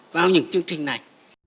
trong những chương trình này